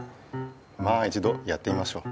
まあ一度やってみましょう。